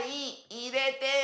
いれてよ！